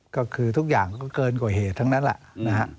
ก็คือทุกอย่างก็เกินกว่าเหตุทั้งนั้นแหละนะฮะ